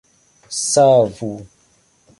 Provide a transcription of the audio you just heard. savu